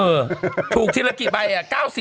เออถูกทีละกี่ใบอ่ะ๙๐ใบ